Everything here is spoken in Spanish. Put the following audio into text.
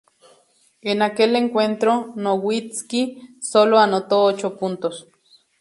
En aquel encuentro, Nowitzki sólo anotó ocho puntos.